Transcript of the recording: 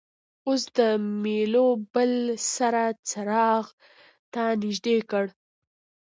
اوس د میلو بل سر څراغ ته نژدې کړئ.